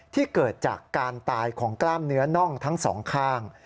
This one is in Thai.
เกิดจากการตายของกล้ามเนื้อน่องทั้งสองข้าง